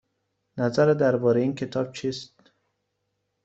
نظرت درباره این کتاب چیست؟